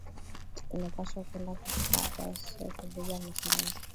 Ina pashwa kwenda ku cadastre ku beba mikanda